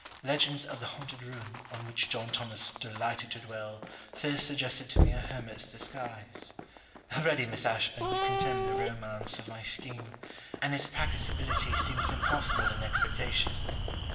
Legends of the haunted ruin, on which John Thomas delighted to dwell, first suggested to me a hermit's disguise. Already, Miss Ashburn, you contemn the romance of my scheme; and its practicability seems impossible in expectation.